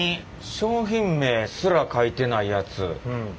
商品名すら書いてないやつ。